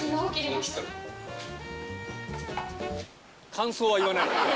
感想は言わない。